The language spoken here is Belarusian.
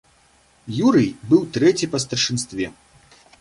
Юрый быў трэці па старшынстве.